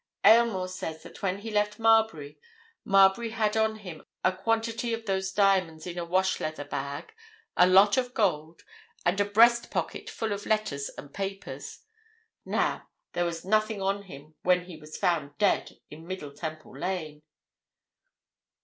Aylmore says that when he left Marbury, Marbury had on him a quantity of those diamonds in a wash leather bag, a lot of gold, and a breast pocket full of letters and papers. Now—there was nothing on him when he was found dead in Middle Temple Lane."